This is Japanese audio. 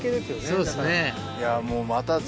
そうですね。